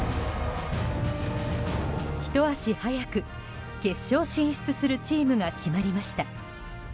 ひと足早く決勝進出するチームが決まりました。